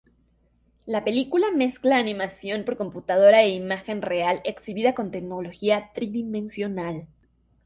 La película mezcla animación por computadora e imagen real exhibida con tecnología tridimensional.